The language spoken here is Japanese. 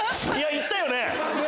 いったよね？